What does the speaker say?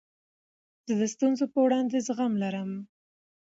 زه د ستونزو په وړاندي زغم لرم.